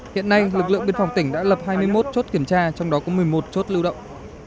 hiện nay lực lượng biên phòng tỉnh đã lập hai mươi một chốt kiểm tra trong đó có một mươi một chốt lưu động